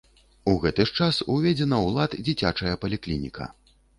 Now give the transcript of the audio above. У гэты ж час уведзена ў лад дзіцячая паліклініка.